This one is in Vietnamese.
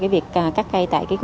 việc cắt cây tại khu vực này